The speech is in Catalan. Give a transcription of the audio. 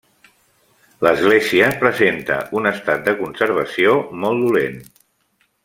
L'església presenta un estat de conservació molt dolent.